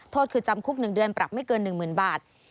โทษคือจำคุก๑เดือนปรับไม่เกิน๑๐๐๐บาท